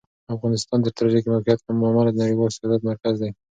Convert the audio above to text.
افغانستان د ستراتیژیک موقعیت له امله د نړیوال سیاست مرکز دی.